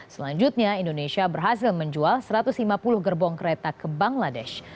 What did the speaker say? selanjutnya indonesia berhasil menjual satu ratus lima puluh gerbong kereta ke bangladesh